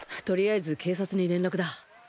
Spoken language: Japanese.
とりあえず警察に連絡だ。